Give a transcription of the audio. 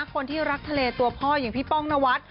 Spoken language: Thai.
คนที่รักทะเลตัวพ่ออย่างพี่ป้องนวัด